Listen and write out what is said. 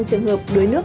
khi trẻ em chơi gần ao